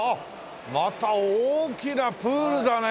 また大きなプールだね！